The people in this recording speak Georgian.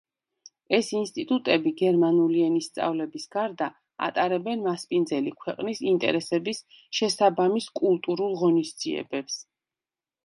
ეს ინსტიტუტები, გერმანული ენის სწავლების გარდა, ატარებენ მასპინძელი ქვეყნის ინტერესების შესაბამის კულტურულ ღონისძიებებს.